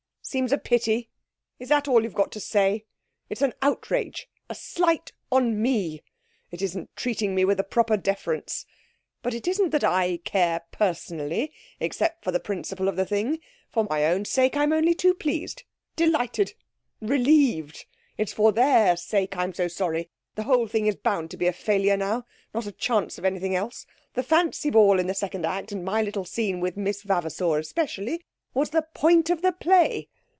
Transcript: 'Seems a pity? Is that all you've got to say! It's an outrage a slight on me. It isn't treating me with proper deference. But it isn't that I care personally, except for the principle of the thing. For my own sake I'm only too pleased delighted, relieved. It's for their sake I'm so sorry. The whole thing is bound to be a failure now not a chance of anything else. The fancy ball in the second act and my little scene with Miss Vavasour, especially, was the point of the play.